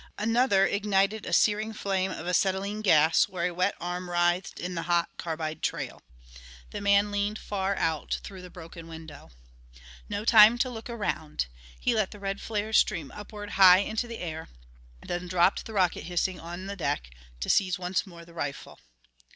Another ignited a searing flame of acetlylene gas where a wet arm writhed in the hot carbide trail. The man leaned far out through the broken window. No time to look around. He let the red flares stream upward high into the air, then dropped the rocket hissing on the deck to seize once more the rifle.